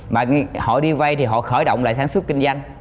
mà họ đi vay thì họ khởi động lại sản xuất kinh doanh